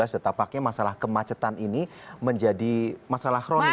dan tapaknya masalah kemacetan ini menjadi masalah kronis